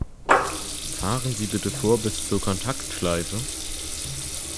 Fahren Sie bitte vor bis zur Kontaktschleife!